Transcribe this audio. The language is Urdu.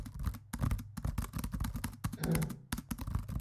پر ہوا جام ارغواں کی طرح